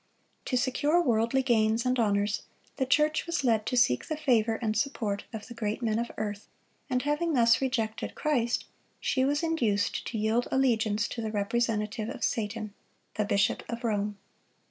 To secure worldly gains and honors, the church was led to seek the favor and support of the great men of earth; and having thus rejected Christ, she was induced to yield allegiance to the representative of Satan,—the bishop of Rome.